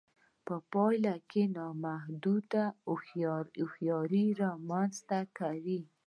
په پایله کې نامحدوده هوښیاري رامنځته کوي